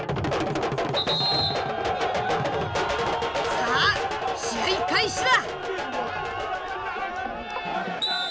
さあ試合開始だ！